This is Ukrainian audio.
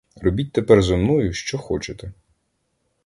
Робіть тепер зо мною, що хочете.